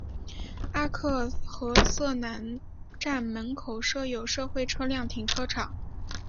阿克和瑟南站门口设有社会车辆停车场。